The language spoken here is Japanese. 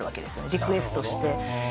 リクエストして。